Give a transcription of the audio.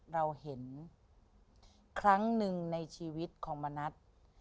เราเห็นครั้งหนึ่งในชีวิตของมณัฐ